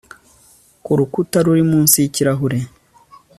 Ku rukuta ruri munsi yikirahure